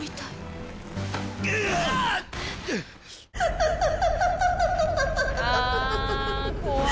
「ハハハハハ！」